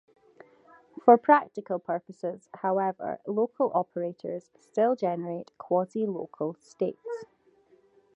For practical purposes, however, local operators still generate quasi-local states.